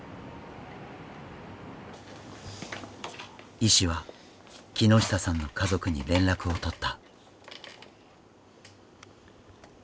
医師は木下さんの家族に連絡を取った。